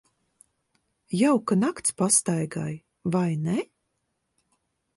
Jauka nakts pastaigai, vai ne?